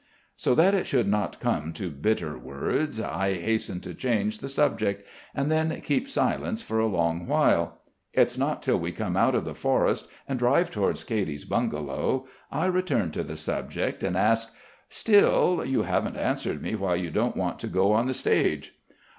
So that it should not come to bitter words, I hasten to change the subject, and then keep silence for a long while. It's not till we come out of the forest and drive towards Katy's bungalow, I return to the subject and ask: "Still, you haven't answered me why you don't want to go on the stage?"